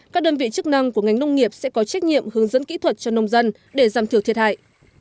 các đơn vị chức năng của ngành nông nghiệp sẽ có trách nhiệm hướng dẫn kỹ thuật cho nông dân để giảm thiểu thiệt hại